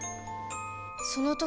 その時